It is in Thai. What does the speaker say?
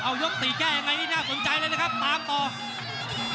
เอายกตีแก้ยังไงนี่น่าสนใจเลยนะครับตามต่อ